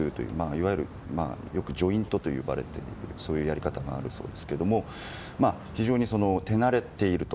いわゆるジョイントと呼ばれているそういうやり方もあるそうですが非常に手慣れていると。